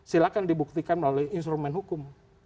silahkan dibuktikan melalui instrumen hukum